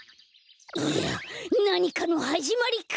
いやなにかのはじまりか！？